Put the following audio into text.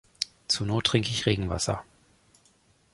Zur Not trinke ich Regenwasser.